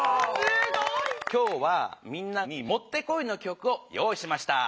今日はみんなにもってこいのきょくを用いしました。